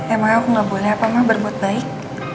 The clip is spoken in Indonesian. emang aku gak boleh apa mah berbuat baik